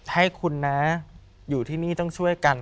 ให้คุณนะอยู่ที่นี่ต้องช่วยกัน